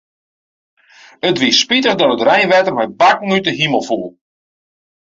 It wie spitich dat it reinwetter mei bakken út 'e himel foel.